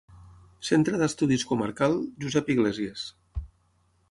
Centre d’Estudis Comarcal Josep Iglésies.